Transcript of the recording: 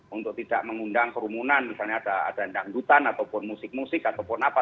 untuk tidak mengundang kerumunan misalnya ada dangdutan ataupun musik musik ataupun apa